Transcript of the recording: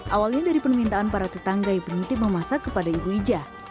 awalnya dari permintaan para tetangga yang penitip memasak kepada ibu ija